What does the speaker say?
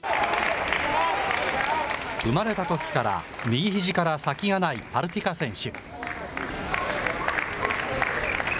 生まれたときから右ひじから先がないパルティカ選手。